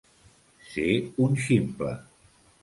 Ser un ximple.